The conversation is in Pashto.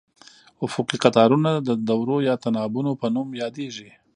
افقي قطارونه د دورو یا تناوبونو په نوم یادیږي.